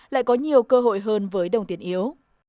lại có nhiều cơ hội hơn với đồng tiền yếu